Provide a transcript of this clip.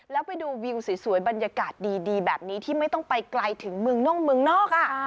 แล้วไปดูวิวสวยบรรยากาศดีแบบนี้ที่ไม่ต้องไปไกลถึงเมืองน่งเมืองนอก